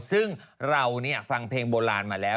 ซึ่งเราคิดเพียงบุตรมาแล้ว